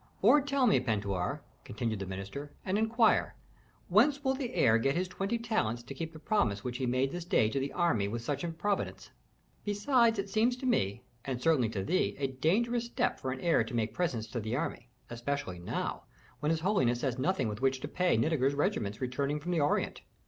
"Or tell me, Pentuer," continued the minister, "and inquire: whence will the heir get his twenty talents to keep the promise which he made this day to the army with such improvidence? Besides, it seems to me, and certainly to thee, a dangerous step for an heir to make presents to the army, especially now, when his holiness has nothing with which to pay Nitager's regiments returning from the Orient.